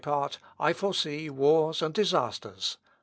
For my part, I foresee wars and disasters.